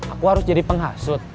aku harus jadi penghasut